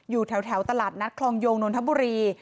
อยู่แถวตลาดนัดคลองโยงนนทบุรี